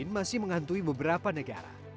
masih menghantui beberapa negara